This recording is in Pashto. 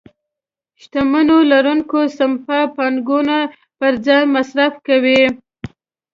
شتمنيو لرونکي سپما پانګونه پر ځای مصرف کوي.